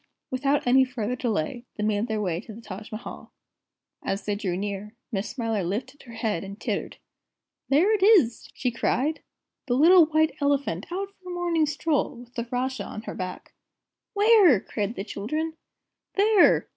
Without any further delay, they made their way to the Taj Mahal. As they drew near, Miss Smiler lifted her head and tittered. "There it is!" she cried, "the little White Elephant, out for a morning stroll, with the Rajah on her back." "Where?" cried the children. "There!